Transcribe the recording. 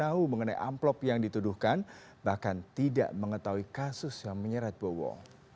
tidak tahu menahu mengenai amplop yang dituduhkan bahkan tidak mengetahui kasus yang menyerat bowo